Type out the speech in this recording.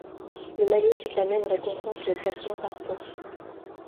Le maillot cyclamen récompense le classement par points.